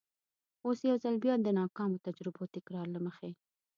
اوس یو ځل بیا د ناکامو تجربو تکرار له مخې.